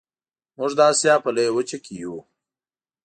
موږ د اسیا په لویه وچه کې یو